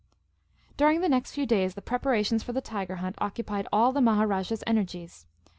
During the next few days, the preparations for the tiger hunt occupied all the Maharajah's energies.